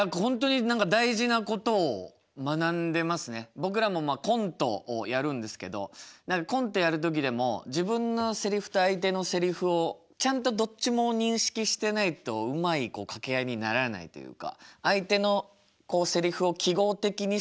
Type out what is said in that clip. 僕らもコントをやるんですけどコントやる時でも自分のセリフと相手のセリフをちゃんとどっちも認識してないとうまい掛け合いにならないというか。